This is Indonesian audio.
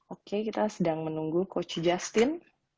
oke kita sedang menunggu coach justin